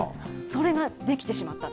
それができてしまった。